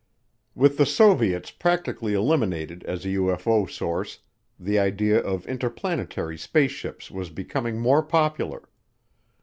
With the Soviets practically eliminated as a UFO source, the idea of interplanetary spaceships was becoming more popular.